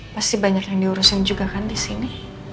pasti banyak yang diurusin juga kan di sini